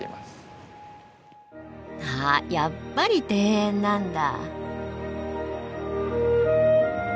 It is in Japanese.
あやっぱり庭園なんだ。